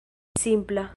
simpla